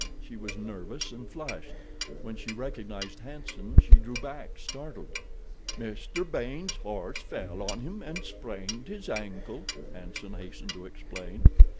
She was nervous and flushed. When she recognized Hanson she drew back, startled. "Mr. Baynes' horse fell on him and sprained his ankle," Hanson hastened to explain.